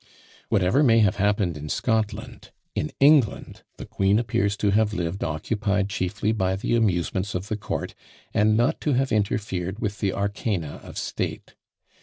Whatever may have happened in Scotland, in England the queen appears to have lived occupied chiefly by the amusements of the court, and not to have interfered with the arcana of state.